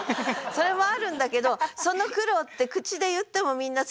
それもあるんだけどその苦労って口で言ってもみんな伝わらないじゃない？